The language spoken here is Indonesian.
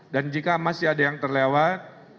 dan jika masih ada yang terlewat